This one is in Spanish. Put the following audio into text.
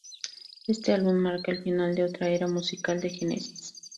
Este álbum marca el final de otra era musical de Genesis.